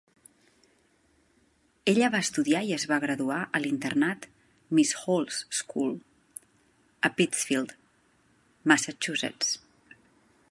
Ella va estudiar i es va graduar a l'internat Miss Hall's School, a Pittsfield, Massachusetts.